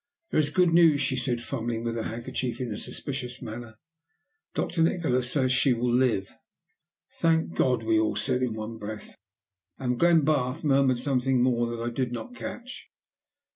"There is good news," she said, fumbling with her handkerchief in a suspicious manner. "Doctor Nikola says she will live." "Thank God," we all said in one breath. And Glenbarth murmured something more that I did not catch.